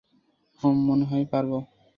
হুম, মনেহয় পারবো।